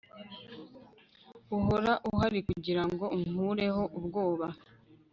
uhora uhari kugirango unkureho ubwoba